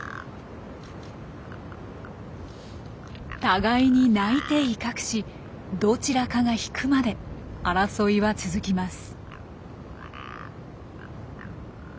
互いに鳴いて威嚇しどちらかが引くまで争いは続きます。